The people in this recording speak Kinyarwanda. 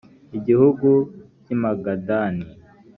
gihugu cy i magadani